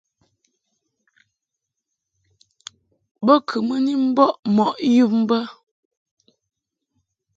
Bo kɨ mɨ ni mbɔʼ mɔʼ yum bə.